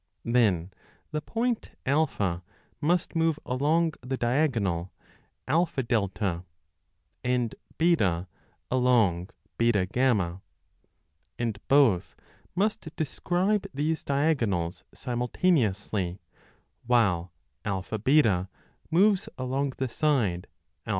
Then the point A must move along the diagonal AA, and B along BF; and both must describe these diagonals simultaneously, while AB moves along the side AT.